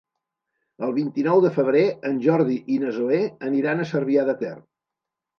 El vint-i-nou de febrer en Jordi i na Zoè aniran a Cervià de Ter.